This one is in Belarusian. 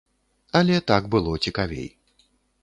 Але так было цікавей.